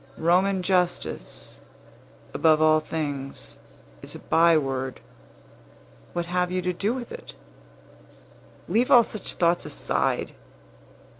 Roman justice, above all things, is a byword. What have you to do with it? Leave all such thoughts aside!